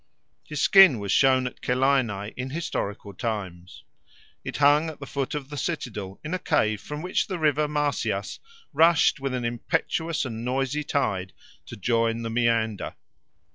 His skin was shown at Celaenae in historical times. It hung at the foot of the citadel in a cave from which the river Marsyas rushed with an impetuous and noisy tide to join the Maeander.